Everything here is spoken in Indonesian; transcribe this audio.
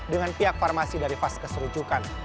dengan pihak farmasi dari vaskes rujukan